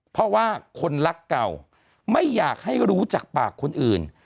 เพราะว่าคนรักเก่าไม่อยากให้รู้จากปากคนอื่น